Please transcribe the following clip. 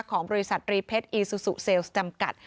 ของบริษัทรีเพชรอีซูซูเซลล์จำกัด